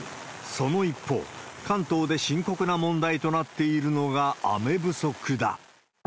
その一方、関東で深刻な問題となっているのが雨不足だ。